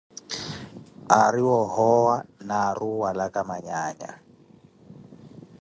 Aari woohowa na aari owalaka manyaanya.